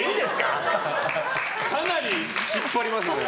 かなり引っ張りますね。